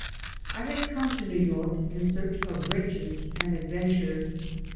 I had come to New York in search of riches and adventure.